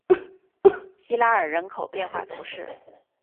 西拉尔人口变化图示